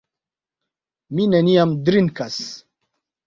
Mi neniam drinkas.